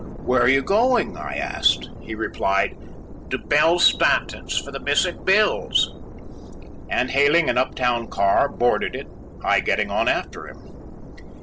"Where are you going," I asked. He replied, "To Belle Stanton's for the missing bills," and hailing an uptown car, boarded it, I getting on after him.